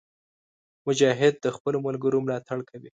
مجاهد د خپلو ملګرو ملاتړ کوي.